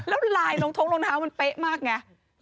แล้วลายรองท้องรองเท้ามันเป๊ะมากไง